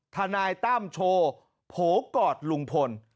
ทนายตั้มโชว์โผล่กอดลุงพล